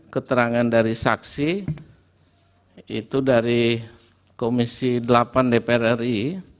keterangan dari saksi itu dari komisi delapan dpr ri